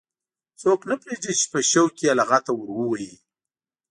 څوک نه پرېږدي چې په شوق کې یې لغته ور ووهي.